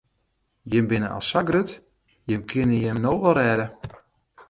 Jimme binne no al sa grut, jimme kinne jim no wol rêde.